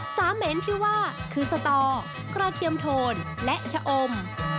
สามเหม็นที่ว่าคือสตอกระเทียมโทนและชะอม